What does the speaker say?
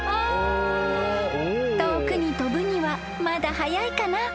［遠くに飛ぶにはまだ早いかな］